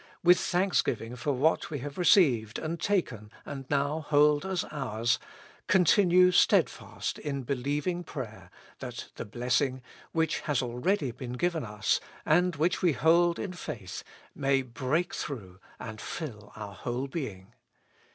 with thanksgiving for what we have received and taken and now hold as ours, continue steadfast in believing prayer that the blessing, which has already been given us, and which we hold in faith, may break through and fill our whole being.